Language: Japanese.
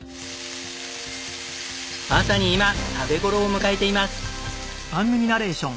まさに今食べ頃を迎えています。